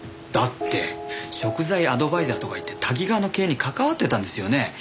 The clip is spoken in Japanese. だって食材アドバイザーとかいってタキガワの経営に関わってたんですよね？